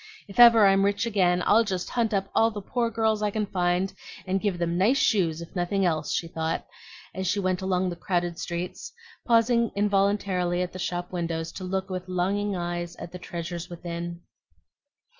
If ever I'm rich again, I'll just hunt up all the poor girls I can find, and give them nice shoes, if nothing else," she thought, as she went along the crowded streets, pausing involuntarily at the shop windows to look with longing eyes at the treasures within.